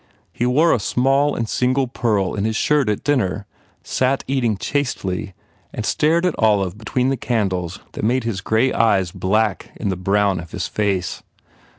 He wore a small and single pearl in his shirt at dinner, sat eating chastely and stared at Olive between the candles that made his grey eyes black in the brown of his face.